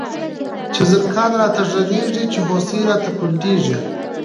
چی زرکان راته غږيږی، چی هوسۍ راته پنډيږی